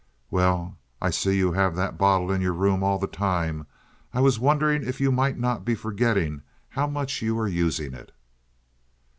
"Well, I see you have that bottle in your room all the time. I was wondering if you might not be forgetting how much you are using it."